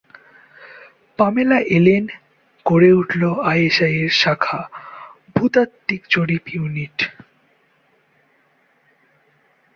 Pamela Allen, গড়ে উঠল আইএসআই-এর শাখা ভূতাত্ত্বিক জরিপ ইউনিট।